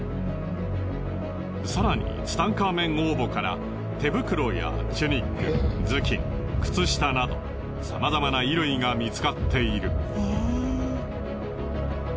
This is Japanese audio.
更にツタンカーメン王墓から手袋やチュニック頭巾靴下などさまざまな衣類が見つかっている。